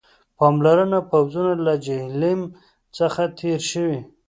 پالمر پوځونه له جیهلم څخه تېر شوي.